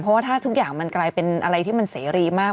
เพราะว่าถ้าทุกอย่างมันกลายเป็นอะไรที่มันเสรีมาก